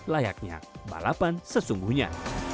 layaknya balapan sesungguhnya